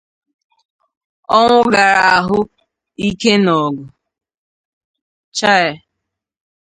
Ọnwụ gara ahụụ ike na ọgụ! Chaị